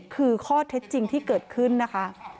คือข้อเท็จจริงที่เกิดขึ้นนะคะ